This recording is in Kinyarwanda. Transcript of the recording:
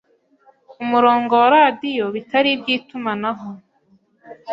umurongo wa radiyo bitari iby itumanaho